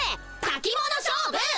たき物勝負！